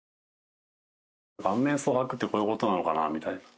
顔面蒼白ってこういう事なのかなみたいな。